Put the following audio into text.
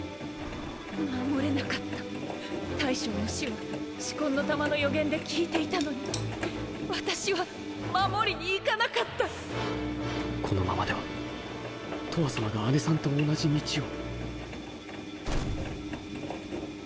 護れなかった大将の死は四魂の玉の予言で聞いていたのに私は護りに行かなかったこのままではとわさまがアネさんと同じ道を